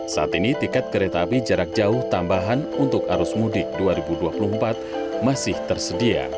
saat ini tiket kereta api jarak jauh tambahan untuk arus mudik dua ribu dua puluh empat masih tersedia